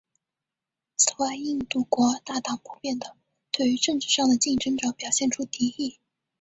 此外印度国大党普遍地对于政治上的竞争者表现出敌意。